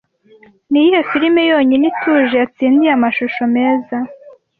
Niyihe firime yonyine ituje yatsindiye amashusho meza